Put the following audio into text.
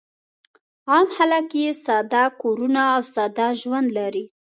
عام خلک یې ساده کورونه او ساده ژوند لري.